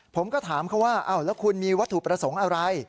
ผมก็ถามเขาว่าแล้วคุณมีวัตถุประสงค์อะไร